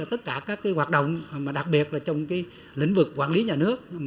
tất cả các hoạt động đặc biệt là trong lĩnh vực quản lý nhà nước